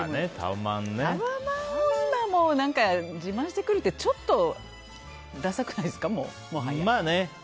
今、自慢してくるってちょっとださくないですか、もはや。